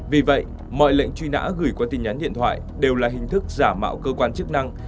vì vậy mọi lệnh truy nã gửi qua tin nhắn điện thoại đều là hình thức giả mạo cơ quan chức năng